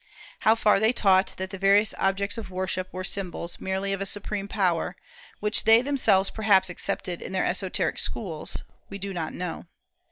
How far they taught that the various objects of worship were symbols merely of a supreme power, which they themselves perhaps accepted in their esoteric schools, we do not know.